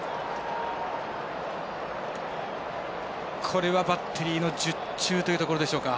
これはバッテリーの術中というところでしょうか。